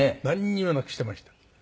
なんにもなくしてました。